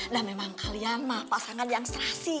dan memang kalian mah pasangan yang serasi